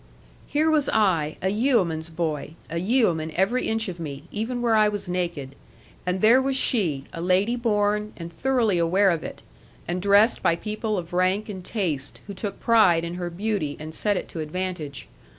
Here was I, a yeoman's boy, a yeoman every inch of me, even where I was naked; and there was she, a lady born, and thoroughly aware of it, and dressed by people of rank and taste, who took pride in her beauty and set it to advantage.